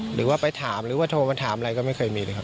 หรือว่าไปถามหรือว่าโทรมาถามอะไรก็ไม่เคยมีเลยครับ